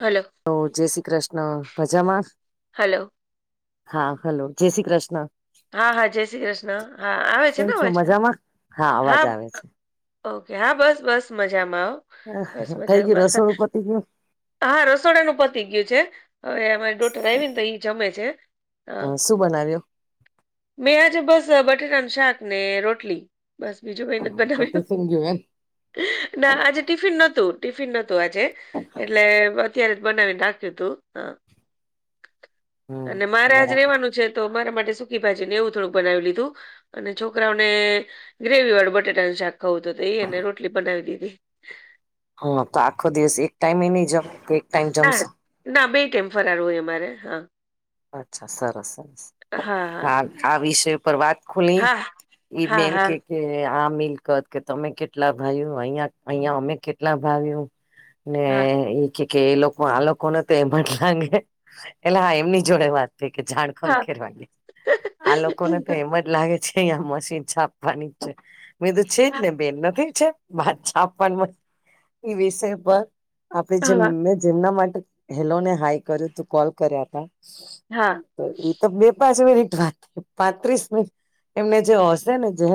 Hello hello જય શ્રી કૃષ્ણ મજામાં? Hello હા હલો જયશ્રીકૃષ્ણ. હા હા જયશ્રીકૃષ્ણ હા આવે છે કેમ ને છો અવાજ? મજામાં અવાજ હા. આવે છે ઓકે હા બસ બસ મજામાં હો. બસ થઈ ગયું મજામાં રસોડું પતિ ગયું? હા રસોડાનું પતી ગયું છે. હવે અમારી ડોટર આવીને તો એ જમે છે. હા. હમ શું બનાવ્યુ? મેં આજે બસ બટાટાનું શાક ને રોટલી બસ બીજી કઈ નથી બનાવ્યુ. ટિફિન ગયું એમ ના આજે ટિફિન નહોતું ટિફિન નહોતું આજે. એટલે અત્યારે જ બનાવીને રાખ્યું તું હા. હમ અને મારે આજ બરાબર રેવાનું છે તો મારા માટે સુકી ભાજી ને એવું થોડુંક બનાવી લીધું. અને છોકરાઓને ગ્રેવી વાળું બટેાટા નું શાક ખાવુ હતું તો એ અને રોટલી બનાવી દીધી. હા તો આખો દિવસ એક ટાઈમે એ નહી જ કે ટાઈમ ના જમશો ના બે ટાઈમ ફરાર હોય અમારે હા. અચ્છા સરસ સરસ. હા આ આ વિષય પર વાત ખુલી હા એ મેન હા કે કે આ મિલકત કે તમે કેટલા ભાઈઓ અહી અહિયાં અમે કેટલા ભાવિયું ને હા એ કે કે એ લોકો આ લોકો નો તો એમ લગે એટલે હા એમની જોડે વાત તે કે જાણ હા હા ખંખેરવા આ લોકોને તો એમ જ લાગે છે અહીંયા મશીન છાપવાની જ છે મેં તો છે જ ને બેન નાથી છે? વાત છે આપવા એ વિષય પર આપે હા જેમ હા ન જેમના માટે હેલો ને હાઈ કર્યો તું કોલ કર્યા તા. હા. તો એ તો બે પાંચ મિનિટ પાંત્રીસ મિનિટ વાત એમને જે હશે ને જે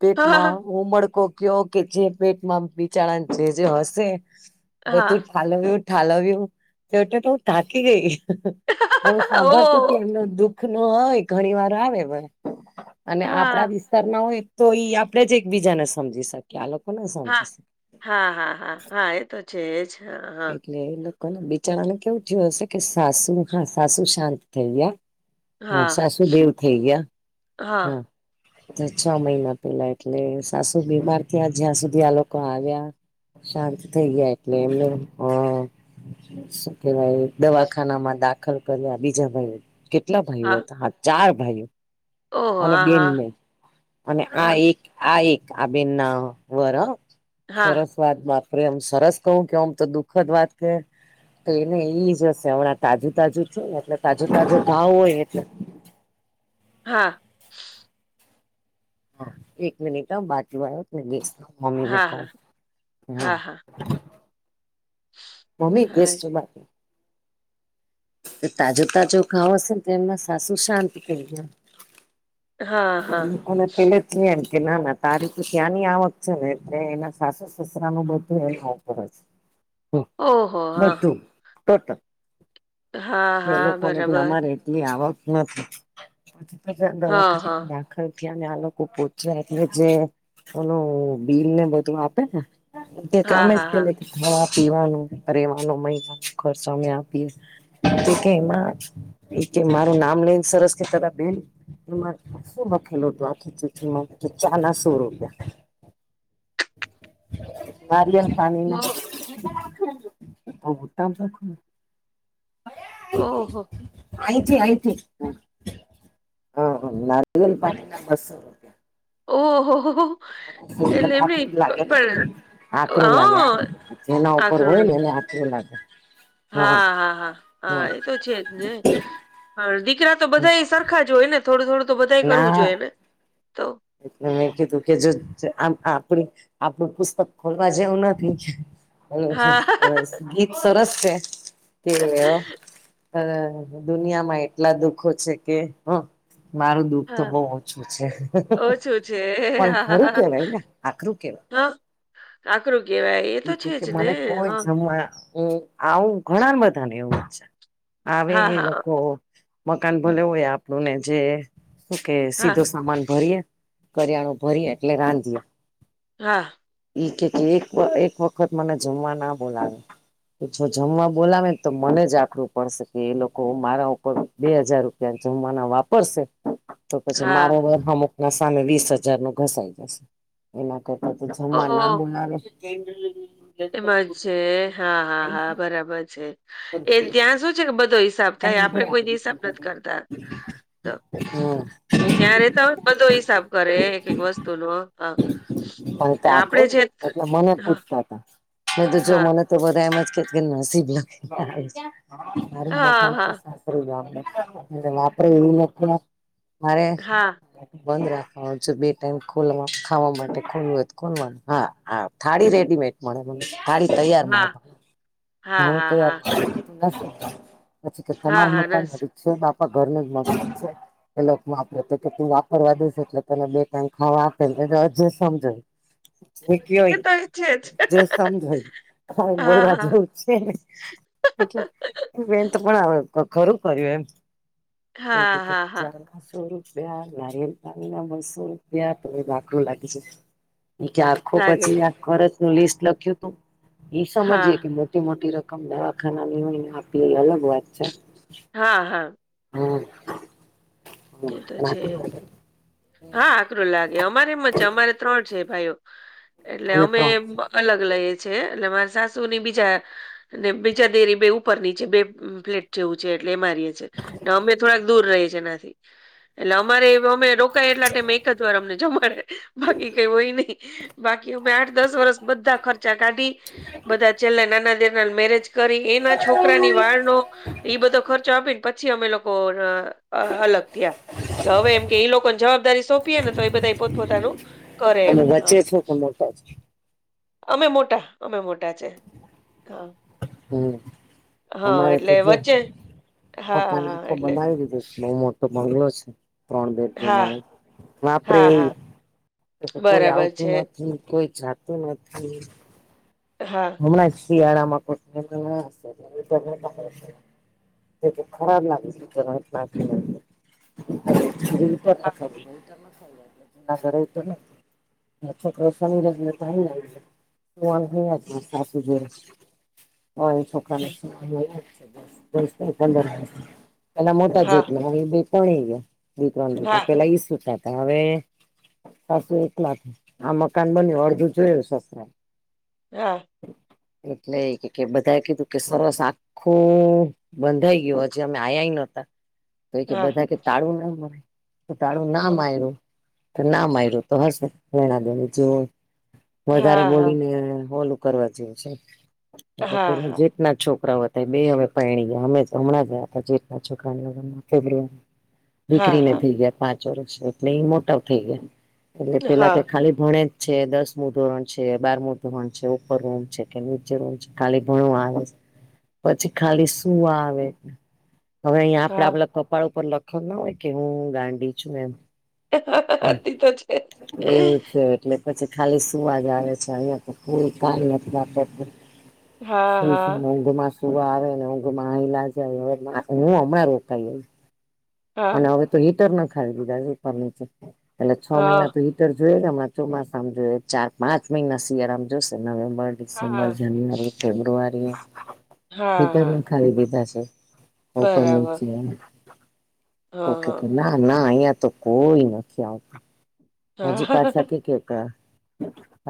પેટમાં ઉમળકો કયો કે જે પેટમાં બિચરાને જે જે હશે. હા બધું હા ઠાલવ્યું ઠાલવ્યું તેટે તો થાકી ગઈ. ઘણું સાંભળતું હતી ઓ એમનો દુઃખ નો હોય ઘણી વાર આવે અને હા હા આપડા વી તર ના હોય તો ઈ આપડે જ એક બીજાને સમજી શકીએ આ લોકોને સમજી શકે. હા હા હા હા, એ તો છે એજ હા હા. એટલે એ લોકોને બિચારાને કેવું થયું હશે કે સાસુ હા સાસુ શાંત થઈ ગયા. હા, સાસુ દેવ થેય ગયા હા. કે તે છ મહિના પેલા એટલે સાસુ બીમાર થયા જ્યાં સુધી આ લોકા આવ્યા શાંત થઇ ગયા એટલે એમને અહ શું કેટલાય દવાખાનામાં દાખલ કર્યા બીજા ભાઈ એ કે ટલા ભાઈઓ હતા હા ચાર ભાઈઓ ઓહ અને હા હા બેનને અને આ હા એક આ એક આ બેન ના વર હા હા સરસ વાત બાપરે એમ સરસ કહું કે આમ તો દુઃખદ વાત કે તો એને ઈજ હશે હમણાં તાજુ તાજુ છે ને એટલે તાજુ તાજુ ધાવ હોય એટલે હા. હા એક મિનિટ હા બાટલો આયો ને ગેસ નો. મમ્મી ને હા હા કહું હમ્મ. હા, હા. મમ્મી હા, ગેસ છે બાટલ ફે તાજો તાજો ખાવ હશે ને તો એમના સાસુ શાંત થઈ ગયા. હા, અને એન હા. અને પેલે કે એમ કે ના ના તારી તો ત્યાંની આવક છે ને એટલે એના સાસુ સસરા નું બધું એના ઉપરજ. [inaudible] હમ્મ, ઓહો! હા. બઘું ટોટલ. હા, તે એ હા, લોકોને બી બરાબર. અમારે એટલી આવક નથી પછી હા, હા. દવાખાનામાં દા ખર ગયા ને આ લોકો પૂચ્યા એટલે જે ઓનું બિલ ને બધું આપે ને તે હા, તમેજ હા, હા. પેહલે થી ખાવા પીવાનું રહેેવાનું મહિના ખર્ચો અમે આપીએ. એ કે એમાં એ કે મારું નામ લઈને સરસ કેતાતા બેન એમાં શું લખેલો હતું આખી ચિઠ્ઠી માં કે ચા ના સો રૂપિયા. નારિયેલ પાણીના ઓહ! [unintelligible] ઓહો. અહીં થી અહીં થી અહ નારિયલ પાણી ના બસો રૂપિયા ઓહો હો. [unintelligible] લાગે ના. આતરું લાગે આ હા, એના ઉપર હોય ને આકરું. એને આતરું લાગે. હા હા હા હા, એ તો છે જ ને પણ દીકરા તો બધા એ સરખા જ હોય ને. થોડું થોડું તો બધા કરવું જોઈએ ના ને ત. મેં કીધું કે જો આમ આપણી. આપડું પુસ્તક ખોલવા જેવું નથી હા, [unintelligible] ગીત સરસ છે કે અ દુનિયામાં એટલા દુઃખો છે કે હ. મારું દુઃખ તો હા. બો ઓછું છે. ઓછું છે. પણ હા, હા, ખરું હા. કેવાય ને આખરું કેવાય. હા, આકરું કેવાય. મને કોઈ જમવા હ આવું ઘણા બધાને એવું છે. આવે હા, એ હા. લોકો મકાન ભલે હોય આપણું ને જે. કે હા, સીધો સામાન ભરીએે કરિયાણો ભરીએ એટલે રાંધીએ. હા. કે એક એક વખત મને જમવાના બોલાવે. જો જમવા બોલાવે ને તો મને જ આખરું પડશે કે એ લોકો મારા ઉપર બે હજાર રૂપિયા જમાના વાપરશે. તો પછી મારો હા. વર અમુકના સામે વીસ હજારનો ઘસાઈ જશે એના જમવા ના ઓહ! બોલાવે [unintelligible] હા હા હા, બરાબર છે એ ત્યાં શું છે કે બધો હિસાબ નય આપડે કોઈ દિવસ નથી કરતા તો. હમ ત્યાં રેતા હોય બધો હિસાબ કરે એક એક વસ્તુનો. પણ તા આપડે કોને છે ત એટલે મને હા પૂછ તો જો હા મને તો બધા એમજ કે નસીબ લખીને [unintelligible] મારી મ હા હા માત્ર એ મારે હા [unintelligible] બંધ રાખવાનું છે બે ટાઈમ ખોલ ખાવા માટે ખોલું હોય ખોલવાનું હા હા થાળી રેડીમેડ. મળે થારી તૈયાર હા મળે હા ઘણું હા તૈયાર હા [unintelligible] પછી કે હા તમાર હા મકાન જ રસ છે બાપા ઘરનું જ મકાન છે. એ લોકોક આપડ તો કેટ વાપરવા દેસે એટલે તને બે કઈક ખાવા આપે જે સમજો. [inaudible] કય એ તો એ છે જ જે સમજય હા બોલવા હા. જવું. એટલે બેન તો પણ આવે ખરું કર્યું એમ. હા એી હા હા જય. સો રૂપિયા નારીયલ પાણીના બસો રૂપિયા ભાગું લાગી જ. એ કે આખો લાગે ને. પછી આ ખરચ નું લિસ્ટ લખ્યું તું એ સમજીયે કે હા મોટી મોટી રકમ દવાખાના ની હોય ને આપ એ અલગ વાત છે. હા હા. હમ. એ તો છે. હા આકરું લાગે અમારેમ જ છે અમારે ત્રણ છે ભાઈઓ એટલે અમે બ અલગ લઈ છે એટલે મારા સાસુ ની બીજા. અને બીજા દેરી બે ઉપર નીચે બે પ્લેટ. જેવું છે એટલે એ મારીએ છીએ ને અમે થોડાક દૂર રહીીએ એનાથી. એટલે અમારે અમે રોકાાય એટલા માટે એક જ વાર અમને જમાડે બાકી કઈ હોય નહી. બાકીં આઠ દસ વર્સ બધા ખર્ચા કાઢી. બધા છેલ્લા નાના દેરના મેરેજ કરી એના છોકરાની વાળનો. એઈ બધો ખર્ચો આપી ને પછી અમે લોકો અલગ. કે હવે એમ કે એ લોકોને જવાબદારી સોંપીએ ને તો એ બધા પોતપોતાનું. કરે એમ અનેમે હ વચ્ચે શું પણ મો. અમે મોટા અમે મોટા છે. હા હમ્મ હા અમારે તો એટલે જો વચ્ચે હા મકાન ને હા આખો એટલે બનાવી દીધો છે બહ મોટું. તો બંગલો છે ત્રણ હા બેડરૂમમાં હા હા પર કોઈ બરાબર આવતું છે નથી કોઈ જાતું નથી. હા. હમણાં જ શિયાળામાં [unintelligible] તે ખરાબ લાગસે [unintelligible] [unintelligible] હા ઘરે તોને [unintelligible] હ સાસુ જોડે હ એના છોકરા [unintelligible] પંદર પેલા મોટા હા જેટ હ બે પણ ગયા. હા પેલા ઈ સુતા હતા હવે. સાસું એક લાખ આ મકાન બન્યું અડધું જોયું સસરા. હા. એટલે એ કે બધા કીધું કે સરસ આ. આખુ બંધાઈ ગયો હજી અમે આ્યા નો હતા. તો એ કે હા બધા કે તાળું ના મારે તો તાળું ના હા મારે્યું. ના માર્યું તો હશે વેણા દેણી જો વધારે હા હા બોલીને ઓલું. કરવા જેવ છે એલે હા પેલા જેટના છોકરાઓ. બે હવે પરણી ગયા અમે હમણાં જયા હતા જે છોકરાઓર હા દીકરીને હા થઈ ગયા પાંચ વર્ષ એટલે એ મોટા થઈ ગયા એટલે પેલા કે હા ખાલી ભણે છે દસમું ધોરણ છે બારમું ધોરણ છે. રૂમ છે કે નીચે રૂમ છે ખાલી ભણવા આરુ પછી ખાલી સૂવા આવે. હવે અહીંયા હા આપડે આપડા કપળ ઉપર લખયો ના હોય કે હું ગાંડી છું એમ. હતી તો છે. એવું છે એટલે. પછી ખાલી સુવા જ આવે છે અહિયાં તો હુઈ કયા નથી વાપરતી હા હા [unintelligible] સુવા આવે ને ઊંઘ માલા જાય હવે હ અમા રોકાઈ અને હા હવે. તો હીટર ના ખાઈ દીધા ઉપર નીચે પેલા છ મહિના હા તો. ર જોઈએ કે હમણાં ચોમાસામાં જોઈએ ચાર પાંચ મહિના શિયાળ આમ જોશે નવેમ્બર. ડિસેમ્બર હા જાન્યુઆરી ફેબ્રુઆરી હા હિટર હા નખાવી દીધા છે. ઉપર બરાબર નીચે તો કે હા ના હા ના અહિયાં તો કોઈ નથી આવતું હા હજી પાછા કે કેતા.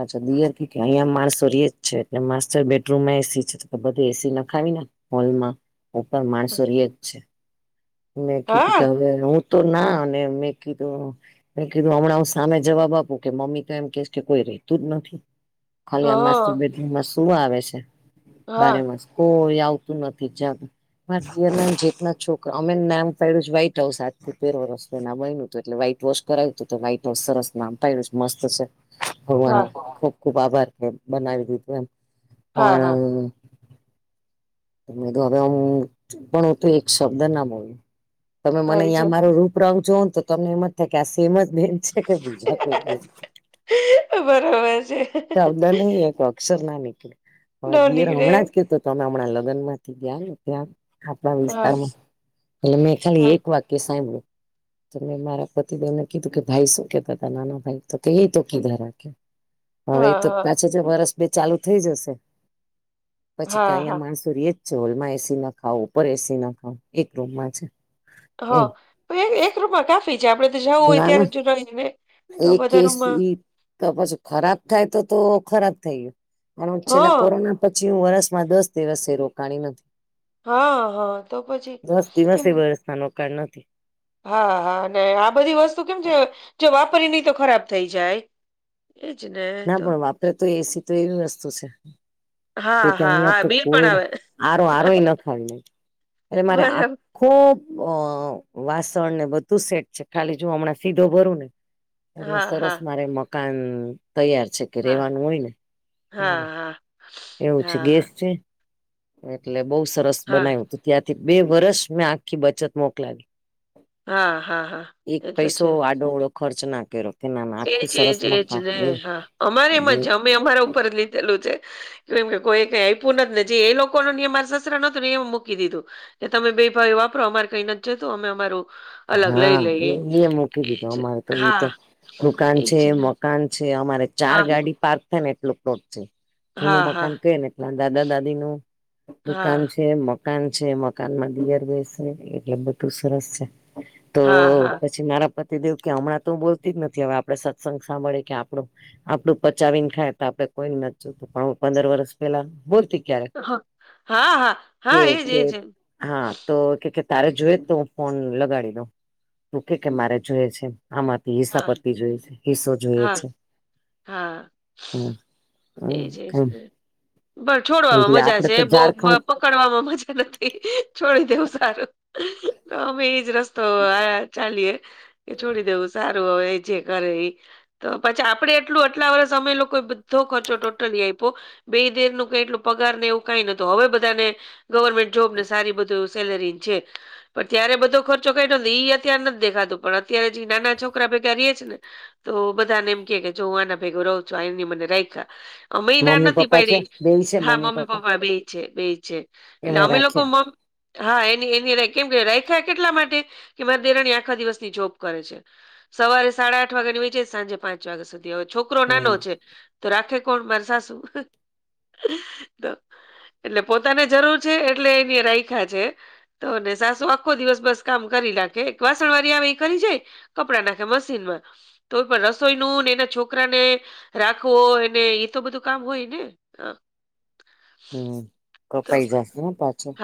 અચ્છા દિયર કેકે અહીંયા માણસો રએ જ છે એટલે માસ્ટર બેડરૂમમાં એસી છે તો બધા એસી નાખાવી ને. હોલમાં ઉપર માણસો ર જ છે મેં કીધું કે હા હવે હ. તો ના અને મેં કીધું મેં કીધું હમણાં સામે જવાબ આપું કે મમ્મી તો એમ કેશ કે કોઈ રેતું જ નથી ખાલી આ મસ્તર હા બે એમાં શું આવે છે હા બારેમાંસ કોઈ આવતું નથી જ મ જેટ ના છોકરા અમે નામ પડ્યું જ વ્હાઈટ હાઉસ હાજથીું તેર વર્ષ પ ના બું એટલે વ્હઇટ વ કરાય તું વાાઈટ હાઉસ સરસ નામ પયડું છે મસ્ત છે ભગવાને હા હા ખુબ ખુબ આભાર છે, બનાવી દીધું એમ હા, પણ હા મે તો હવે હું પણ તો એક શબ્દ ના બોલ્યો તમે મને મારી અહીંયા જેમ મારો રૂપ રંગ જો ને તો તમને એમ જ થાય કે આ સેમ બરોબર છે જ બેન [unintelligible] નહી એક અક્ષર ના નીકળે ન હવે દિર હમણાં નીકળે જ ક તમે હમણાં લગન માંથી ગયા ત્યા આપણા હા વિસ્તારમાં એટલે મેં ખાલી હા એક વાક્ય સાંભળ્યું તો મેં મારા પતિદેવને કીધું કે ભાઈ શું કેતા હતા નાના ભાઈ તો ક તો કીધાર હવે એ તો હા પાછા જ વરસ બે ચાલુ થઈ જશે પછી કે હા અહીંયા હા માણસ કરીયે છે હોલમાં એસી નખાવુ ઉપર એસી નખાવુ એક રૂમ માંજ. હા એક એક રૂમમાં કાફી છે આપડે તો જવું હોય ત્યારે જો ને એ કેસ તો પછી ખરાબ થાય તો તો ખરાબ થઈ ગયો. પણ હું હ છેલ્લા કોરોના પછી હું વરષમાં દસ દિવસ એ રોકાણી નથી. હા હા તો પછી દસ દિવસે કેમ વરસતા નોકાડ નથી. હા હા ને આ બધી વસ્તુ કેમ છે જો વાપરી નહી તો ખરાબ થઇ જાય એજ ને ના તો પણ વાપરે તો એસી તો એવી વસ્તુ છે. હા કે હા અહિયાં હા તો બિલ પણ કોઈ આવે આરો આરો ન ખાવી એટ મારે આ બરાબર ખુબ અ વાસણ ને બધું સેટ છે ખાલી જો હમણાં સીધો ભરું ને એટલે હા સરસ હા મારે મકાન તૈયાર છે કે હા રેવાનું હોય ને હા મારે હા એવું છે હા હા ગેસ છે, એટલે બઉ સરસ હા બનાવ્યું તું ત્યાંથી બે વરસ મેં આખી બચત મોકલાવી હા હા હા એક એ તો પૈસો છે આડો અવળો ખર્ચ ના કર્યો કે ના ના એજ આખું એજ સરસ એજ મકાન ને એ હા અમારેમાં એ છે અમે અમારા ઉપર લીધેલું છે. કેમ કોઈ કઈ આપ્યું નથી ને જે એ લોકોનું નિયમ મારે સસરા નો ને એ મૂકી દીધું એ તમે બે ભાઈ વાપરો અમારે કઈ નથી જતું અમે અમારું અલગ લઈ હા લઈએ એ મૂકી દીધું એજ અમારે તો ઇ હા તો દુકાન છે એજ ને મકાન છે અમારે ચાર હા ગાડી પાર્ક થાય ને એટલો પ્લોટ છે. જૂનું હા હા મકાન કે ને એટલા દાદા દાદી નું હા દુકાન છે મકાન છે મકાન માં દિયર બેસે એટલે બધું સરસ છે. હા તો હા પછી મારા પતિ દેવ કે હમણાં તો બોલતી જ નથી હવે આપડે સત્સંગ સાંભળે કે આપડું આપડું પચાવીને ખાય તો આપડે કોઈને ન‌ઇ જોતુ પણ પંદર વરસ પેલા બોલતી ક્યારેક હા હા હા કે હા કે એજ‌એજ જ હા તો કેકે તારે જોએ તો હું ફોન લગાડી તું કે કે મારે જોય છે, આમાં હા હિસાપતિ જોય છે, હિસ્સો જોઈએ હા છે. હા હમ એજ હમ એજ છોડવામાં એટલે મજા આપડે છે, તો બ ઝારખંડ કડવામાં મજા નથી છોડી દેવું સારું અમે ઇજ રસ્તો આ ચાલીએ કે છોડી દેવું સારું તો હવે જે કરે ઇ તો પછી આપડે એટલું આટલા વર્ષ અમે લોકો બોધો ટોટલી આયપો બે દેર નુ કઈ એટલું પગારને એવું કઈ નહોતો હવે બધાને ગવરર્મેન્ટ જોબ ને સારી બધું. સેલેરી છે પણ ત્યારે બધો ખર્ચો કાઢ્યો ઈ અત્યારે નથી દેખાતું પણ અત્યારે જે નાના છોકરા ભેગા ર‌ઇ છિ ને. તો બધાને એમ કે કે જો હું એના ભેગો રહું છું આની મને રાઈખાયા મે ના મમ્મી નથી પપ્પા છે પાયડી. બેય છે હા મમ્મી પપ્પા બેઇ છે બેઈ છે એટલે એમણે અમે લોકો રાખ્યા મ. હા એની એની કેમ કે રાખાયા કેટલા માટે કે મારી દેરાણી આખા દિવસની જોબ કરે છે. સવારે સાડા આઠ વાગ્યા ની વચચે સાંજે પાંચ વાગ્યા સુધી હવે છોકરો નાનો હમ છે તો રાખે. કોણ માર સાસુ. એટલે પોતાને જરૂર છે એટલે એને રાયખયા છે. તોને સાસુ આખો દિવસ બસ કામ કરી રાખે એક વાસણ વાળી આવે એ કરી જાય. કપડા નાખે મશીનમાં તો પણ રસોઈનું એના છોકરાને રાખવો ને એ તો બધું કામ હોય ને. હ હમ તો કપાઈ જશે હો પાછો. હા